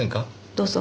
どうぞ。